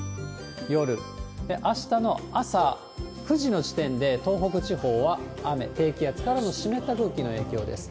夜、で、あしたの朝９時の時点で、東北地方は雨、低気圧からの湿った空気の影響です。